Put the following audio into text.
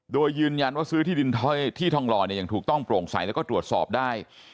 โดยยืนยันว่าซื้อที่ดินถ้อยที่ทองหล่ออย่างถูกต้องโปร่งใสแล้วก็ตรวจสอบได้